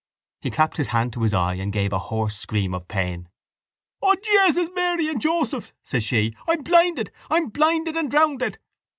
He clapped his hand to his eye and gave a hoarse scream of pain. —O Jesus, Mary and Joseph! says she. _I'm blinded! I'm blinded and drownded!